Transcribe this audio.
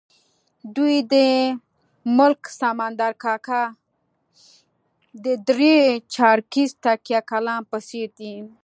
دوی د ملک سمندر کاکا د درې چارکیز تکیه کلام په څېر دي.